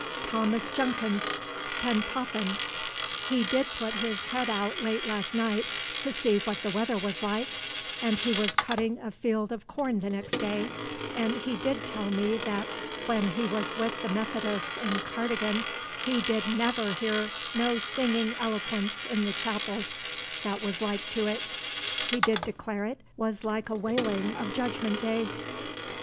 "Thomas Jenkins, Pentoppin, he did put his head out late last night to see what the weather was like, as he was cutting a field of corn the next day, and he did tell me that when he was with the Methodists in Cardigan he did never hear no singing eloquence in the chapels that was like to it. He did declare it was like a wailing of Judgment Day."